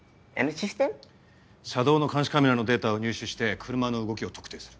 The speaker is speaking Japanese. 車道の監視カメラのデータを入手して車の動きを特定する。